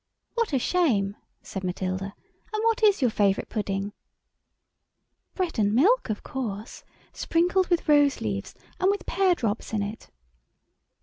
"What a shame!" said Matilda, "and what is your favourite pudding?" "Bread and milk, of course, sprinkled with rose leaves—and with pear drops in it."